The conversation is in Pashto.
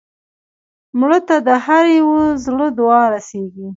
مړه ته د هر یو زړه دعا رسېږي